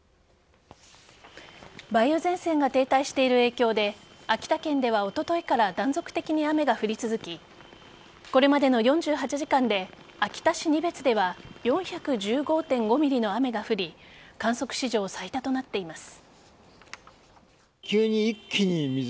梅雨前線が停滞している影響で秋田県ではおとといから断続的に雨が降り続きこれまでの４８時間で秋田市仁別では４１５．５ｍｍの雨が降り観測史上最多となっています。